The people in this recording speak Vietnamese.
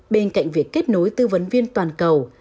bên cạnh việc kết nối tư vấn viên toàn cầu